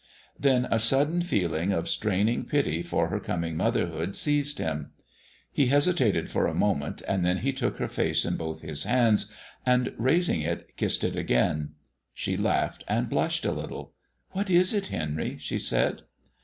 Then a sudden feeling of straining pity for her coming motherhood seized him. He hesitated for a moment, and then he took her face in both his hands and, raising it, kissed it again. She laughed and blushed a little. "What is it, Henry?" she said.